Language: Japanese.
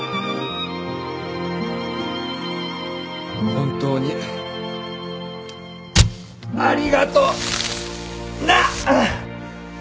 本当にありがとな！